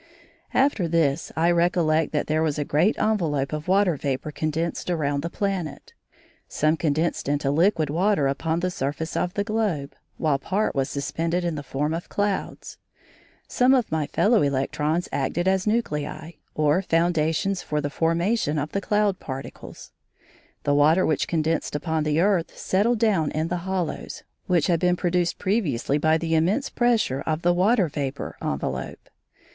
After this, I recollect that there was a great envelope of water vapour condensed around the planet. Some condensed into liquid water upon the surface of the globe, while part was suspended in the form of clouds. Some of my fellow electrons acted as nuclei or foundations for the formation of the cloud particles. The water which condensed upon the earth settled down in the hollows, which had been produced previously by the immense pressure of the water vapour envelope.